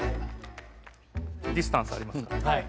ディスタンスありますから。